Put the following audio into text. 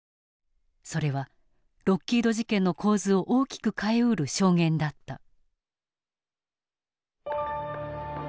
それはロッキード事件の構図を大きく変えうる証言だった。